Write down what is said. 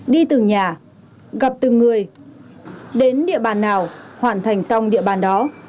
đi từng nhà gặp từng người đến địa bàn nào hoàn thành xong địa bàn đó